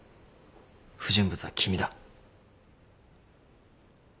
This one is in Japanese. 不純物は君だ。